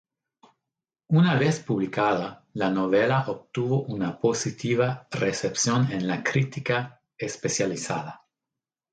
Una vez publicada, la novela obtuvo una positiva recepción en la crítica especializada.